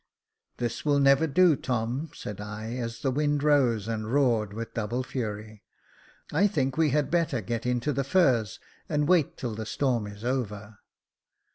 "This will never do, Tom," said I, as the wind rose and roared with double fury. I think we had better get into the furze, and wait till the storm is over."